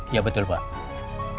iya betul pak